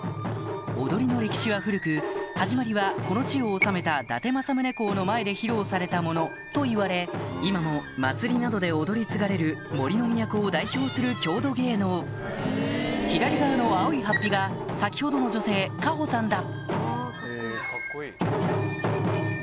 踊りの歴史は古く始まりはこの地を治めた伊達政宗公の前で披露されたものといわれ今も祭りなどで踊り継がれる杜の都を代表する郷土芸能左側の青いはっぴが先ほどの女性カホさんだ